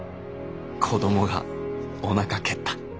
子どもがお腹蹴った。